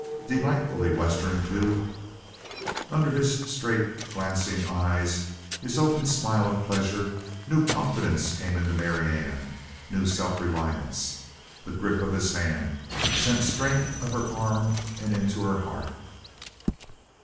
Delightfully Western, too! Under his straight glancing eyes, his open smile of pleasure, new confidence came in Marianne, new self reliance. The grip of his hand sent strength up her arm and into her heart.